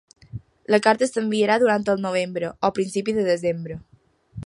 La carta s’enviarà durant el novembre o principi de desembre.